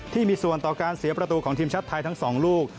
ที่มีส่วนต่อการเสียประตูของทีมชาติไทยทั้ง๒ลูก